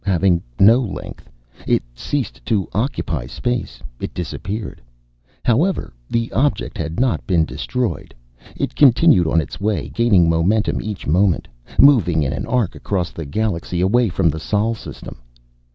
Having no length, it ceased to occupy space. It disappeared. However, the object had not been destroyed. It continued on its way, gaining momentum each moment, moving in an arc across the galaxy, away from the Sol system.